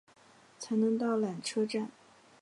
才能到缆车站